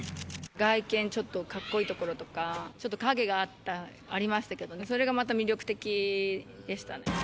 外見ちょっとかっこいいところとか、ちょっと影がありましたけど、それがまた魅力的でしたね。